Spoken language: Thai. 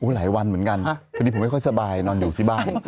หลายวันเหมือนกันพอดีผมไม่ค่อยสบายนอนอยู่ที่บ้าน